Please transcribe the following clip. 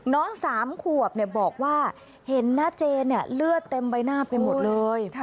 ๓ขวบบอกว่าเห็นนาเจเลือดเต็มใบหน้าไปหมดเลย